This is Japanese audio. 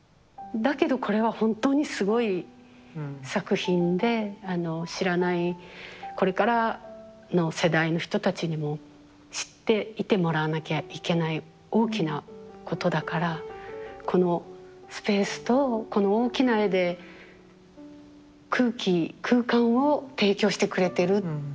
だけどこれは本当にすごい作品であの知らないこれからの世代の人たちにも知っていてもらわなきゃいけない大きなことだからこのスペースとこの大きな絵で空気空間を提供してくれてるっていうんでしょうかね。